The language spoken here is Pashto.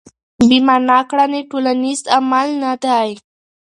بې مانا کړنې ټولنیز عمل نه دی.